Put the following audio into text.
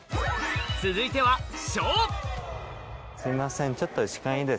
続いてはすいません。